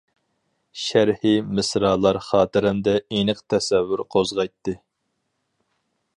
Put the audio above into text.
شەرھى مىسرالار خاتىرەمدە ئېنىق تەسەۋۋۇر قوزغايتتى.